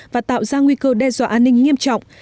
và tạo ra nguy cơ đe dọa an ninh nghiêm trọng